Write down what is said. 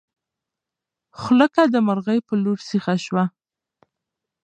غولکه د مرغۍ په لور سیخه شوه.